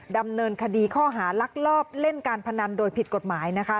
ดำเนินคดีข้อหาลักลอบเล่นการพนันโดยผิดกฎหมายนะคะ